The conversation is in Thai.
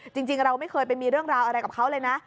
จริงเราไม่เคยไปมีเรื่องราวอะไรกับเขาเลยนะ